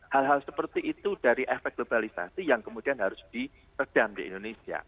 hal hal seperti itu dari efek globalisasi yang kemudian harus diredam di indonesia